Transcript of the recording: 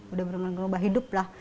udah berubah hidup lah